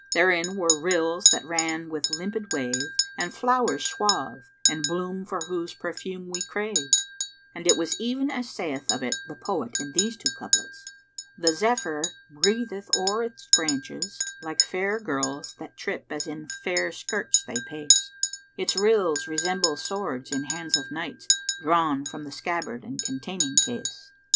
Therein were rills that ran with limpid wave and flowers suave; and bloom for whose perfume we crave and it was even as saith of it the poet in these two couplets, "The Zephyr breatheth o'er its branches, like * Fair girls that trip as in fair skirts they pace: Its rills resemble swords in hands of knights * Drawn from the scabbard and containing case."